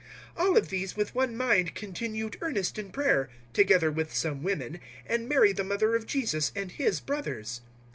001:014 All of these with one mind continued earnest in prayer, together with some women, and Mary the mother of Jesus, and His brothers.